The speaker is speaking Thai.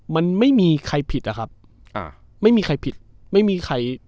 มันไม่มีใครผิดอะครับอ่าไม่มีใครผิดไม่มีใคร